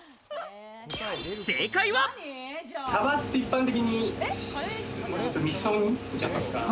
サバって一般的にみそ煮じゃないですか。